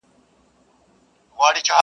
o که ولي نه يم، خالي هم نه يم!